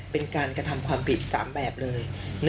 เป็นการกระทำความผิด๓แบบเลย